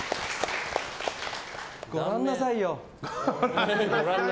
ご覧なさいよ。